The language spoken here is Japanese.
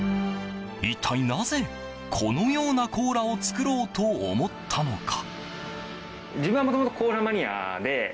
一体なぜ、このようなコーラを作ろうと思ったのか。